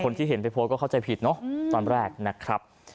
ที่เห็นไปโพสต์ก็เข้าใจผิดเนอะตอนแรกนะครับ